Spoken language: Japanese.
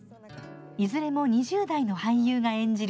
いずれも２０代の俳優が演じる